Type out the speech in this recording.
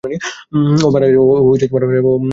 ও মারা গেছে।